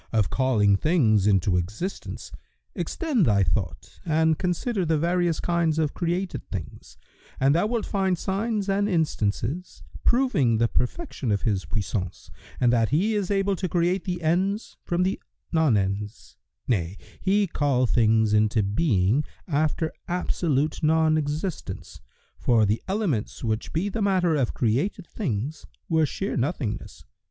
of calling things into existence, extend thy thought and consider the various kinds of created things, and thou wilt find signs and instances, proving the perfection of His puissance and that He is able to create the ens from the non ens; nay, He called things into being, after absolute non existence, for the elements which be the matter of created things were sheer nothingness.